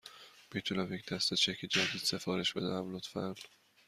می تونم یک دسته چک جدید سفارش بدهم، لطفاً؟